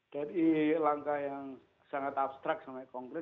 dari langkah yang sangat abstrak sangat konkret